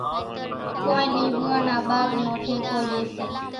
ڪونئين لينٻوُئان نا ٻاگھ نو ٺيڪو ليئيَ سي۔